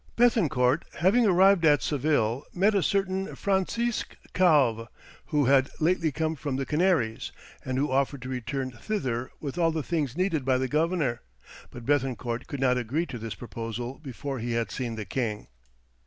Béthencourt having arrived at Seville, met a certain Francisque Calve who had lately come from the Canaries, and who offered to return thither with all the things needed by the governor, but Béthencourt could not agree to this proposal before he had seen the king.